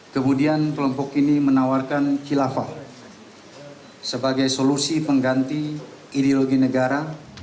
kemudian kelompok ini menawarkan khilafah sebagai solusi pengganti ideologi negara